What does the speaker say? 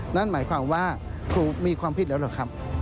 นั่นหมายความว่าครูมีความผิดแล้วหรือครับ